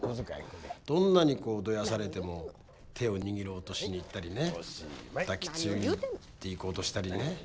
どんなにどやされても手を握ろうとしにいったりね抱きついていこうとしたりね。